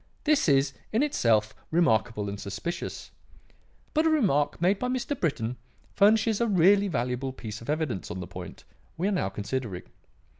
This is, in itself, remarkable and suspicious. But a remark made by Mr. Britton furnishes a really valuable piece of evidence on the point we are now considering.